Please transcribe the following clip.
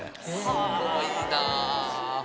すごいなあ。